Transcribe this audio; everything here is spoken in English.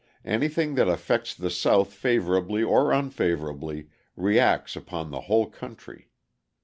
Anything that affects the South favourably or unfavourably reacts upon the whole country.